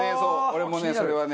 俺もねそれはね。